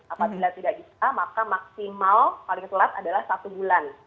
apabila tidak bisa maka maksimal paling telat adalah satu bulan